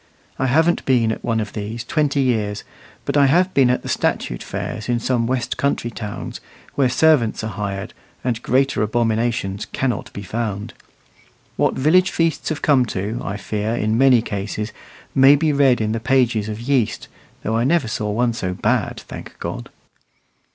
I haven't been at one these twenty years, but I have been at the statute fairs in some west country towns, where servants are hired, and greater abominations cannot be found. What village feasts have come to, I fear, in many cases, may be read in the pages of "Yeast" (though I never saw one so bad thank God!).